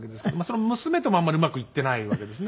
その娘ともあんまりうまくいっていないわけですね。